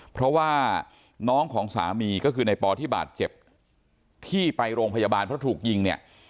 เพราะว่าน้องของสามีก็คือในปอที่บาดเจ็บที่ไปโรงพยาบาลเพราะถูกยิงเนี่ย